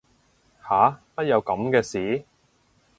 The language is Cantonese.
吓乜有噉嘅事